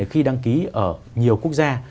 khi đăng ký ở nhiều quốc gia